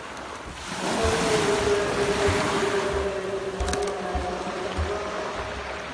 Ezagutzen duzue udaletxeko idazkariarekin harremana izan zuenekoa?